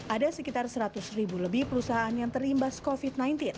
ada sekitar seratus ribu lebih perusahaan yang terimbas covid sembilan belas